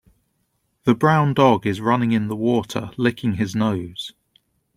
The brown dog is running in the water licking his nose.